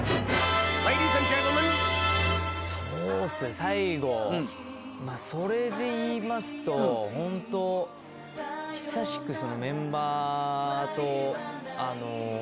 そうですね最後それで言いますとホント久しくメンバーとあの。